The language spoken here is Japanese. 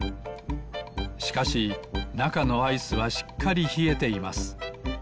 しかしなかのアイスはしっかりひえています。